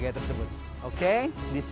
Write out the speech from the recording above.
tapi kita bakal cari rhy